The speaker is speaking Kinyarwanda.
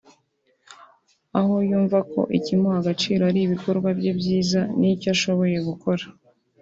aho yumva ko ikimuha agaciro ali ibikorwa bye byiza n’icyo ashoboye gukora